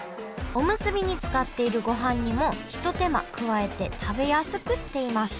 おむすびに使っているご飯にもひと手間加えて食べやすくしています。